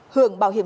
hưởng bảo hiểm